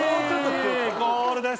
ゴールです。